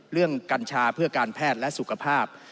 กัญชาเพื่อการแพทย์และสุขภาพ